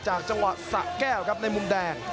จากจังหวะสะแก้วครับในมุมแดง